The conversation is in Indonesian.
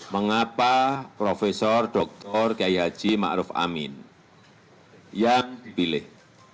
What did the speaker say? mengapa profesor dr kiai haji ma'ruf amin yang dipilih